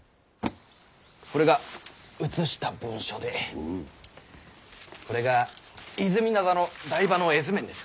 これが写した文書でこれが和泉灘の台場の絵図面です。